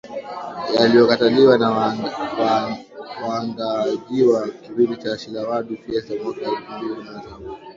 yaliokataliwa na waandaajiwa kipindi cha Shilawadu Fiesta mwaka elfu mbili kumi na saba